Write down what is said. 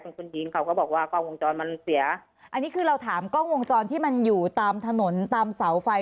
คนยิงเขาก็บอกว่ากล้องวงจรมันเสียอันนี้คือเราถามกล้องวงจรที่มันอยู่ตามถนนตามเสาไฟ